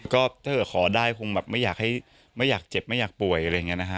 ก็ถ้าเกิดเกิดขอได้คงแบบไม่อยากเจ็บไม่อยากป่วยอะไรแบบนี้